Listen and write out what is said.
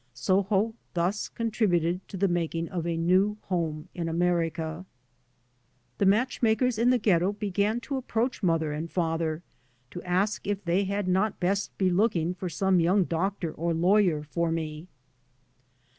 Soho thus contributed to the making of a new home in America. The matchmakers in the ghetto began to approach mother and father to ask if they had not best be looking for some young doctor or lawyer for me.